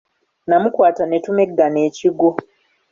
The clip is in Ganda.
Namukwata ne tumeggana ekiggwo.